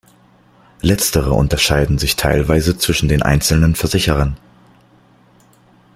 Letztere unterscheiden sich teilweise zwischen den einzelnen Versicherern.